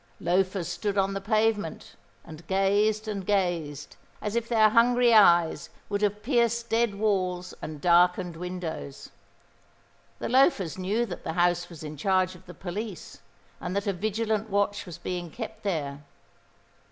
Loafers stood on the pavement and gazed and gazed, as if their hungry eyes would have pierced dead walls and darkened windows. The loafers knew that the house was in charge of the police, and that a vigilant watch was being kept there.